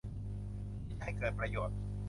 ที่จะให้เกิดประโยชน์